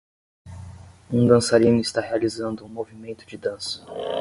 Um dançarino está realizando um movimento de dança.